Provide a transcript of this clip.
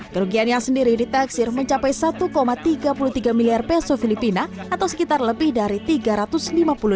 kerugian yang sendiri diteksir mencapai satu tiga puluh tiga miliar peso filipina atau sekitar lebih dari tiga ratus lima puluh lima miliar rupiah